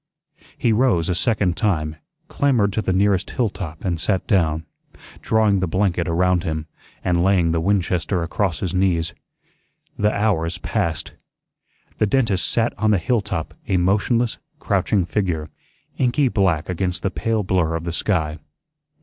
He rose a second time, clambered to the nearest hilltop and sat down, drawing the blanket around him, and laying the Winchester across his knees. The hours passed. The dentist sat on the hilltop a motionless, crouching figure, inky black against the pale blur of the sky.